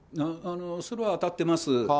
それは当たってます。